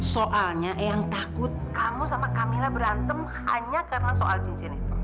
soalnya yang takut kamu sama camilla berantem hanya karena soal cincin itu